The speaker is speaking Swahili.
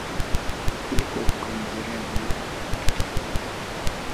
ili kuepuka majeraha ya moyo na matatizo ya